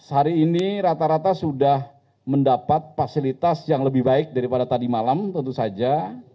hari ini rata rata sudah mendapat fasilitas yang lebih baik daripada tadi malam tentu saja